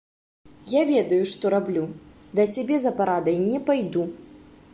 Я ведаю, што раблю, да цябе за парадай не пайду.